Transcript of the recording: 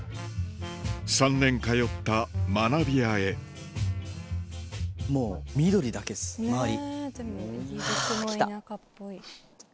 ３年通った学びやへもう緑だけっす周り。